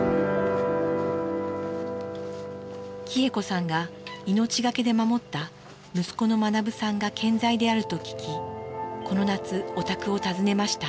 喜恵子さんが命懸けで守った息子の学さんが健在であると聞きこの夏お宅を訪ねました。